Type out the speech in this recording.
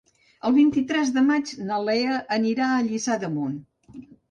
El vint-i-tres de maig na Lea anirà a Lliçà d'Amunt.